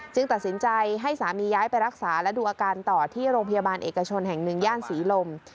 ตัดสินใจให้สามีย้ายไปรักษาและดูอาการต่อที่โรงพยาบาลเอกชนแห่งหนึ่งย่านศรีลม